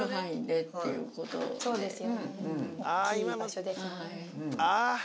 そうですよね。